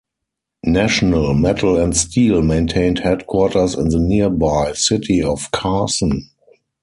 National Metal and Steel maintained headquarters in the nearby city of Carson.